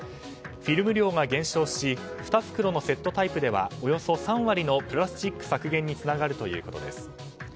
フィルム量が減少し２袋のセットタイプではおよそ３割のプラスチック削減につながるということです。